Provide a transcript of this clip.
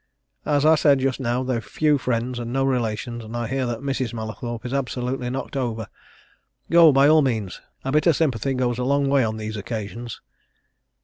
"As I said just now, they've few friends, and no relations, and I hear that Mrs. Mallathorpe is absolutely knocked over. Go, by all means a bit of sympathy goes a long way on these occasions.